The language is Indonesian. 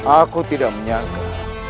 aku tidak menyangka